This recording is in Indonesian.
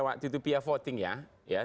waktu itu pihak voting nya